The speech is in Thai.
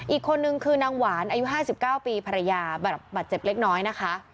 อีกคนนึงคือนางหวานอายุ๕๙ปีภรรยาบาดเจ็บเล็กน้อยนะคะ